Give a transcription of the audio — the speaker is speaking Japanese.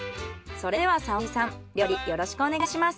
それでは沙織さん料理よろしくお願いします。